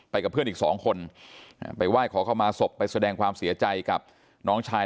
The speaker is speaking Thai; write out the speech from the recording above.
กับเพื่อนอีกสองคนไปไหว้ขอเข้ามาศพไปแสดงความเสียใจกับน้องชาย